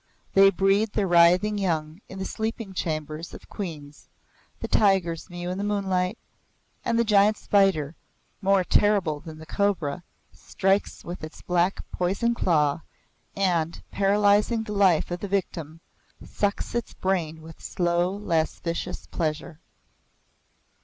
They breed their writhing young in the sleeping chambers of queens, the tigers mew in the moonlight, and the giant spider, more terrible than the cobra, strikes with its black poison claw and, paralyzing the life of the victim, sucks its brain with slow, lascivious pleasure.